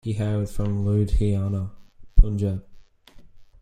He hails from Ludhiana, Punjab.